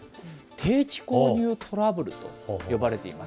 定期購入トラブルと呼ばれています。